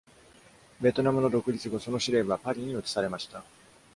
ベトナムの独立後、その司令部はパリに移されました。